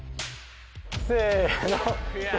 せの！